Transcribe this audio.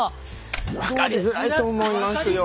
分かりづらいと思いますよ。